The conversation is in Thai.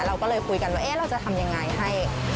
เราก็เลยคุยกันว่าเราจะทำยังไงให้